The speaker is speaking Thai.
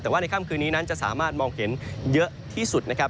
แต่ว่าในค่ำคืนนี้นั้นจะสามารถมองเห็นเยอะที่สุดนะครับ